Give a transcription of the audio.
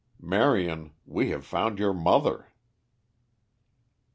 Marion, we have found your mother."